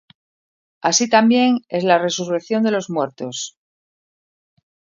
Así también es la resurrección de los muertos.